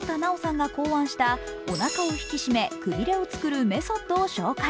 くびれデザイナー廣田なおさんが考案したおなかを引き締め、くびれを作るメソッドを公開。